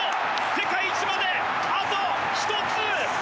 世界一まであと１つ！